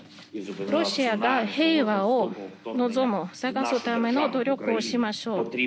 ロシアが平和を望む、探すための努力をしましょう。